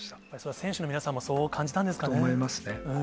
選手の皆さんもそう感じたんと思いますね。